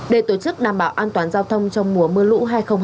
để tổ chức đảm bảo an toàn giao thông trong mùa mưa lũ hai nghìn hai mươi